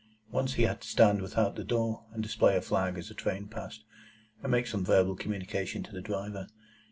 Once he had to stand without the door, and display a flag as a train passed, and make some verbal communication to the driver.